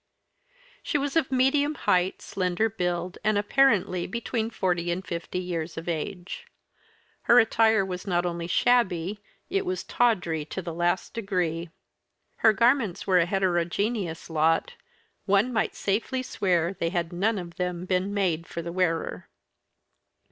She was of medium height, slender build, and apparently between forty and fifty years of age. Her attire was not only shabby, it was tawdry to the last degree. Her garments were a heterogeneous lot; one might safely swear they had none of them been made for the wearer.